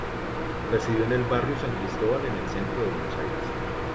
Residió en el barrio San Cristóbal, en el centro de Buenos Aires.